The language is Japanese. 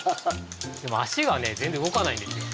でも足はね全然動かないんですよ。